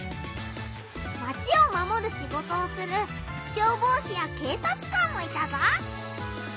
マチをまもるシゴトをする消防士や警察官もいたぞ